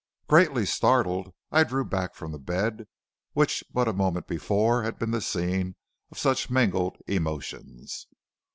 "Greatly startled, I drew back from the bed which but a moment before had been the scene of such mingled emotions.